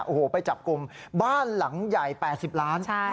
อุ้โหไปจับกลุ่มบ้านหลังใหญ่แปดสิบล้านใช่